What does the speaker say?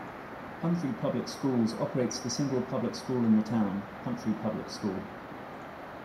Humphrey Public Schools operates the single public school in the town: Humphrey Public School.